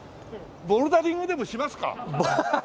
ボルダリングでもしますか。